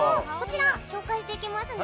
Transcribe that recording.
紹介していきますね。